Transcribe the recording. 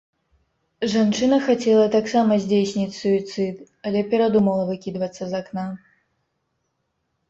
Жанчына хацела таксама здзейсніць суіцыд, але перадумала выкідвацца з акна.